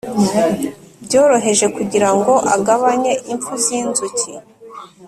Byoroheje kugira ngo agabanye imfu z inzuki